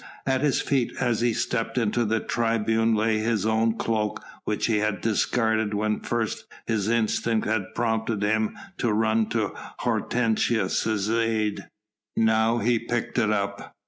At his feet as he stepped into the tribune lay his own cloak which he had discarded when first his instinct had prompted him to run to Hortensius' aid. Now he picked it up.